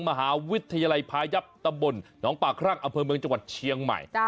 มหาวิทยาลัยภายับตะบลน้องปากรักษ์อเภิลเมืองจังหวัดเชียงใหม่